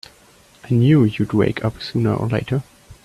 I knew you'd wake up sooner or later!